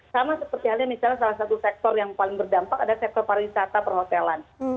sama seperti halnya misalnya salah satu sektor yang paling berdampak ada sektor pariwisata perhotelan